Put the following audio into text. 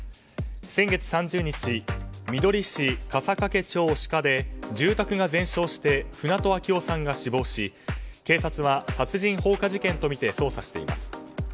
先月３０日、みどり市笠懸町鹿で住宅が全焼して船戸秋雄さんが死亡し警察は、殺人放火事件とみて捜査しています。